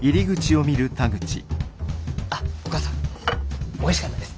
あっお母さんおいしかったです。